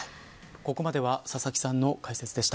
ここまでは、佐々木さんの解説でした。